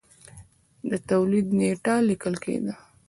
د تولید نېټه لیکل کېده.